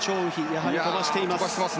やはり飛ばしています。